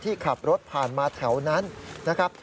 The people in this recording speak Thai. ขับรถผ่านมาแถวนั้นนะครับ